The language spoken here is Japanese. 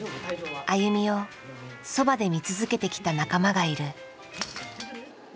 ＡＹＵＭＩをそばで見続けてきた仲間がいる。